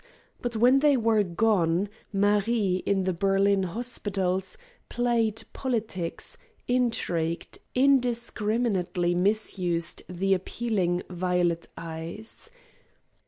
But when they were gone, Marie in the Berlin hospitals played politics, intrigued, indiscriminately misused the appealing, violet eyes.